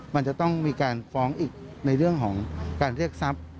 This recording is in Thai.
มันจะต้องมีการฟ้องอีกในเรื่องของการเรียกทรัพย์